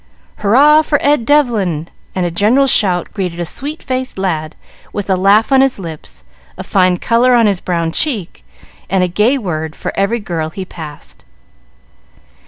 "Hurrah for Ed Devlin!" and a general shout greeted a sweet faced lad, with a laugh on his lips, a fine color on his brown cheek, and a gay word for every girl he passed.